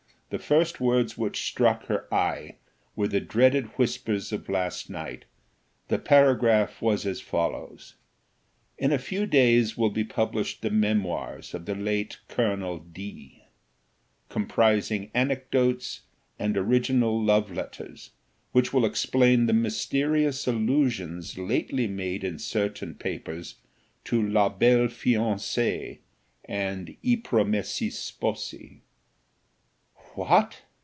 The first words which struck her eye were the dreaded whispers of last night; the paragraph was as follows: "In a few days will be published the Memoirs of the late Colonel D' , comprising anecdotes, and original love letters; which will explain the mysterious allusions lately made in certain papers to 'La belle Fiancée,' and 'I promessi sposi." "What!"